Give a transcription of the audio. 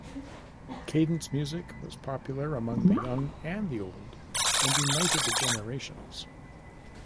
Cadence-music was popular among the young and the old and united the generations.